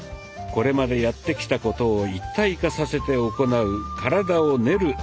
これまでやってきたことを一体化させて行う「体を練る」